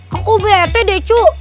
aku bete deh cu